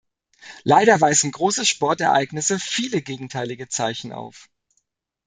Leider weisen große Sportereignisse viele gegenteilige Zeichen auf.